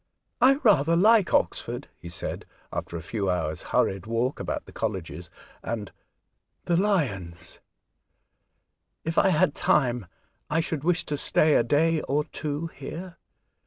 " I rather like Oxford," he said, after a few hours' hurried walk about the colleges and "the lions ";*' If I had time I should wish to stay a day or two here.